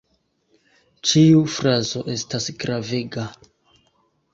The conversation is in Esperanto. Ĉiu frazo estas gravega.